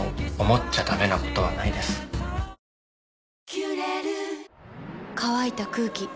「キュレル」乾いた空気。